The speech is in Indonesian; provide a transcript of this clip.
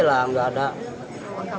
hilang gak ada